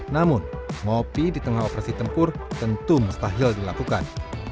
namun ngopi di tengah operasi tempur tentu mustahil dilakukan